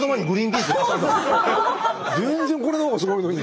全然これの方がすごいのに。